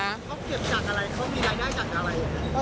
เขาเก็บจากอะไรเขามีรายได้จากอะไร